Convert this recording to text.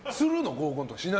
合コンとか。